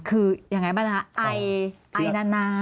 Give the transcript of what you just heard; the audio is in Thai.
คือย่างไรบ้างครับไอไอนาน